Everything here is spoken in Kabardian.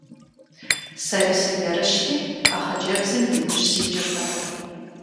Сэри сыерыщти, а хъыджэбзым и ужь сикӀыртэкъым.